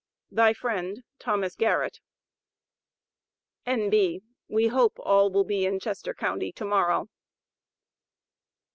Thy Friend, THOMAS GARRETT. N.B. We hope all will be in Chester county to morrow.